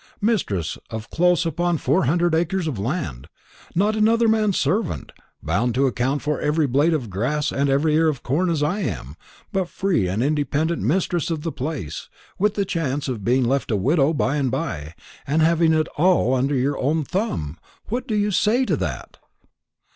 mistress of close upon four hundred acres of land; not another man's servant, bound to account for every blade of grass and every ear of corn, as I am, but free and independent mistress of the place, with the chance of being left a widow by and by, and having it all under your own thumb; what do you say to that?"